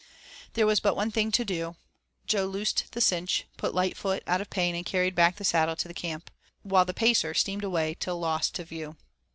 There was but one thing to do. Jo loosed the cinch, put Lightfoot out of pain, and carried back the saddle to the camp. While the Pacer steamed away till lost to view.